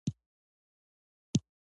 وسله د زړه خلاف ده